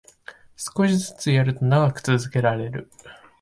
少しずつやると長く続けられる